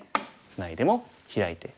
ツナいでもヒラいて。